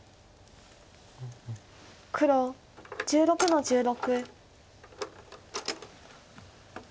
黒１６の十六。